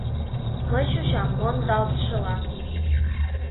Мый чучам мондалтшыла.